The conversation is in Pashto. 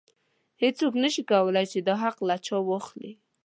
هیڅوک نشي کولی چې دا حق له چا واخلي.